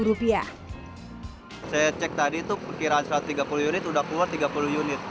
saya cek tadi itu perkiraan satu ratus tiga puluh unit sudah keluar tiga puluh unit